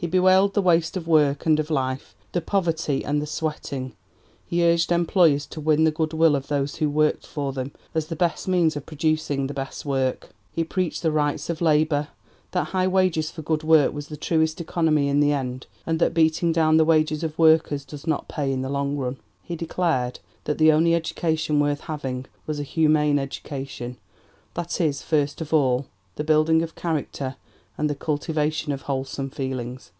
He bewailed the waste of work and of life, the poverty and the 'sweating.' He urged employers to win the goodwill of those who worked for them as the best means of producing the best work. He preached the 'rights' of Labour that high wages for good work was the truest economy in the end, and that beating down the wages of workers does not pay in the long run. He declared that the only education worth having was a 'humane' education that is, first of all, the building of character and the cultivation of wholesome feelings.